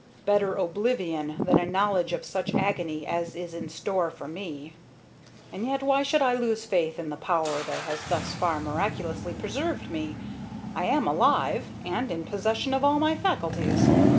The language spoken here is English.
Better oblivion than a knowledge of such agony as is in store for me. "And yet why should I lose faith in the Power that has thus far miraculously preserved me? I am alive, and in possession of all my faculties.